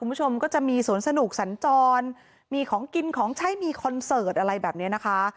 คุณผู้ชมก็จะมีสวนสนุกสัญจรมีของกินของใช้มีคอนเสิร์ตอะไรแบบนี้นะคะ